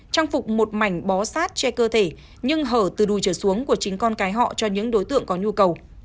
trang phục một mảnh bó sát che cơ thể nhưng hở từ đùi trở xuống của chính con cái họ cho những đối tượng có nhu cầu